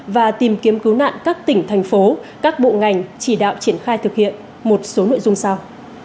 và tìm kiếm cứu nạn các tỉnh thành phố các bộ ngành chỉ đạo triển khai thực hiện một số nội dung sau